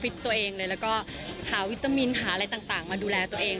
แล้วก็หาวิตามินหาอะไรต่างมาดูแลตัวเอง